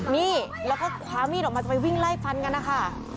นี่แล้วก็คว้ามีดออกมาจะไปวิ่งไล่ฟันกันนะคะ